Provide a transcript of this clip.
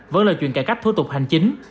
vẫn là chuyện cải cách thủ tục hành chính